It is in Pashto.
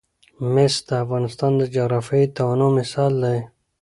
مس د افغانستان د جغرافیوي تنوع مثال دی.